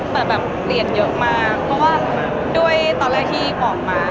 แต่แบบเปลี่ยนเยอะมากเพราะว่าด้วยตอนแรกที่ออกมา